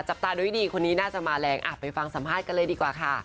ตาโดยดีคนนี้น่าจะมาแรงไปฟังสัมภาษณ์กันเลยดีกว่าค่ะ